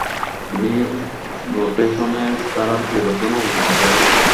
তিনি নোটেশনের ধারার পরিবর্তন ও উন্নয়ন ঘটান।